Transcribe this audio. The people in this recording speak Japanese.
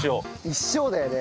一生だよね。